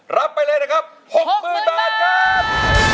รับไปเลย๖หมื่นบาทครับ